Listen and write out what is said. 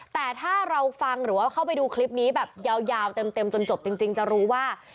แต่ถ้าเราฟังหรือว่าเข้าไปดูคลิปนี้แบบยาวเต็มจนจบจริงจะรู้ว่า